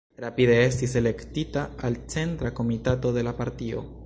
Rapide estis elektita al centra komitato de la partio.